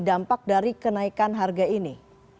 dampak dari kenaikan harga ini